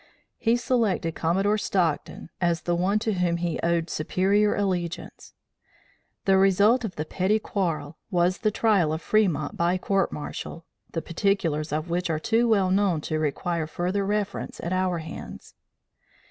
He selected Commodore Stockton as the one to whom he owed superior allegiance. The result of the petty quarrel was the trial of Fremont by court martial, the particulars of which are too well known to require further reference at our hands.